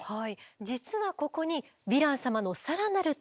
実はここにヴィラン様の更なる特徴がございます。